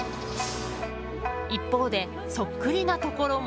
一方で、そっくりなところも。